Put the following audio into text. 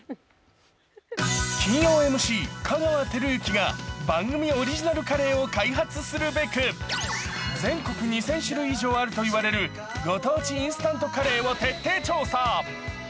金曜ＭＣ・香川照之が番組オリジナルカレーを開発するべく全国２０００種類以上あるといわれる御当地インスタントカレーを徹底調査。